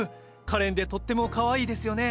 かれんでとってもかわいいですよね。